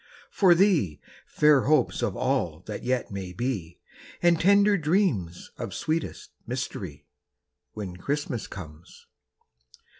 For thee, fair hopes of all that yet may be, And tender dreams of sweetest mystery, When Christmas comes.